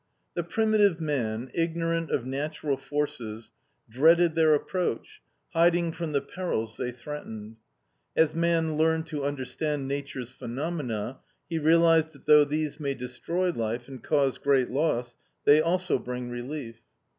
The primitive man, ignorant of natural forces, dreaded their approach, hiding from the perils they threatened. As man learned to understand Nature's phenomena, he realized that though these may destroy life and cause great loss, they also bring relief.